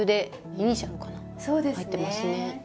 入ってますね。